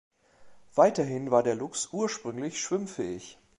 Weiterhin war der Luchs ursprünglich schwimmfähig.